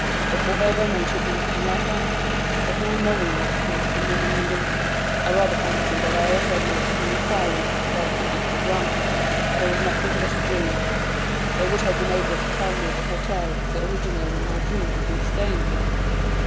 But whatever made her do a thing like that? There's no knowing what things some women will do. I rather fancy that I ought to have made a few inquiries before I took it for granted that it was nothing but a dream. They would have been able to tell me at the hotel if the original of my dream had been staying there.